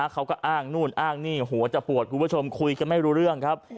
เขาก็อ้างนู่นอ้างนี่หัวจะปวดคุณผู้ชมคุยกันไม่รู้เรื่องครับ